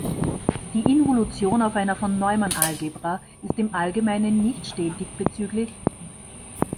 Die Involution auf einer Von-Neumann-Algebra ist im Allgemeinen nicht stetig bzgl.